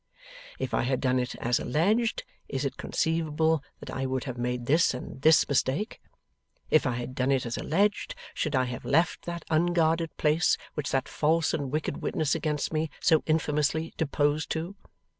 If I had done it as alleged, is it conceivable that I would have made this and this mistake? If I had done it as alleged, should I have left that unguarded place which that false and wicked witness against me so infamously deposed to?